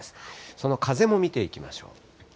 その風も見ていきましょう。